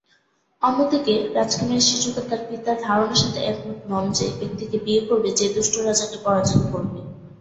অন্যদিকে, রাজকুমারী শিজুকা তার পিতার ধারণার সাথে একমত নন যে ব্যক্তিকে বিয়ে করবে যে দুষ্ট রাজাকে পরাজিত করবে।